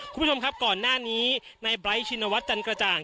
คุณผู้ชมครับก่อนหน้านี้ในไร้ชินวัฒนจันกระจ่าง